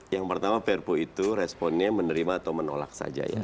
yang pertama perpu itu responnya menerima atau menolak saja ya